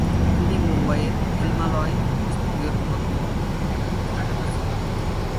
তিনি মুম্বাইয়ের "ফিল্মালয়" স্টুডিওর অন্যতম প্রতিষ্ঠাতা ছিলেন।